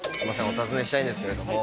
お尋ねしたいんですけれども。